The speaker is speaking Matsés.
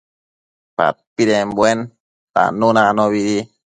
padpidembuen natannu anobidi